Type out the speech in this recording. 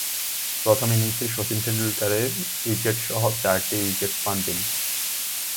প্রথম ইনিংসে শচীন তেন্ডুলকরের উইকেটসহ চারটি উইকেট পান তিনি।